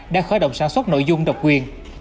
đã khởi động sản xuất nội dung độc quyền